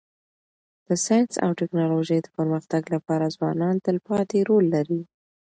د ساینس او ټکنالوژی د پرمختګ لپاره ځوانان تلپاتي رول لري.